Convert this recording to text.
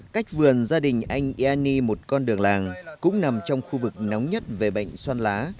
cách vườn gia đình anh yanni một con đường làng cũng nằm trong khu vực nóng nhất về bệnh soan lá